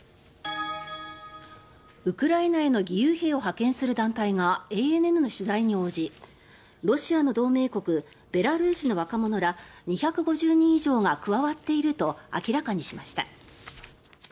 ウクライナへの義勇兵を派遣する団体がＡＮＮの取材に応じロシアの同盟国、ベラルーシの若者ら２５０人以上が加わっていると明らかにしました。